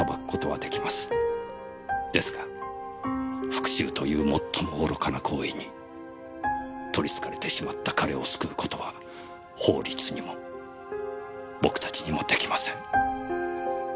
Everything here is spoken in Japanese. ですが復讐という最も愚かな行為にとりつかれてしまった彼を救う事は法律にも僕たちにもできません。